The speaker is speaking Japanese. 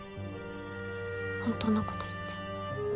本当のこと言っちゃ。